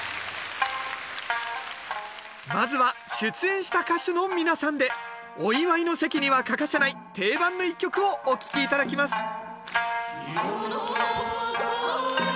まずは出演した歌手の皆さんでお祝いの席には欠かせない定番の一曲をお聴き頂きます